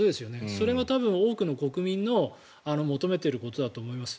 それが多分多くの国民の求めていることだと思います。